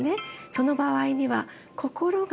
その場合には心が原因。